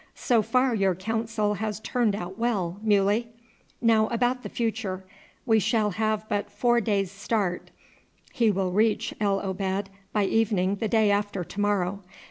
So far your counsel has turned out well, Muley. Now about the future. We shall have but four days' start. He will reach El Obeid by evening the day after to morrow.